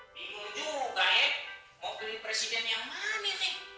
bingung juga eh mau pilih presiden yang mana nih